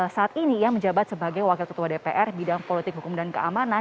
saat ini ia menjabat sebagai wakil ketua dpr bidang politik hukum dan keamanan